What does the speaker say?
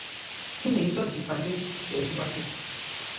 Kínii zɔ̧́ difa lɛ́ŋ, ɓɛɛ yúwár kpé.